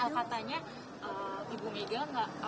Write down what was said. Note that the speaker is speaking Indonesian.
apakah ini artinya tidak datang ke sana